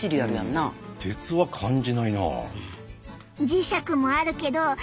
磁石もあるけどやる？